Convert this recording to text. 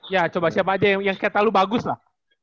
ya coba siapa aja yang kata lo bagus lah